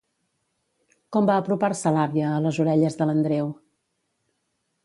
Com va apropar-se l'àvia a les orelles de l'Andreu?